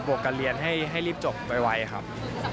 การเรียนให้รีบจบไวครับ